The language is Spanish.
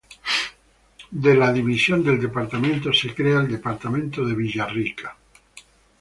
De la división del Departamento, se crea el Departamento de Villarrica.